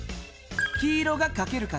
黄色がかける数。